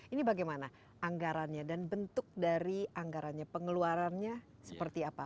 ini bagaimana anggarannya dan bentuk dari anggarannya pengeluarannya seperti apa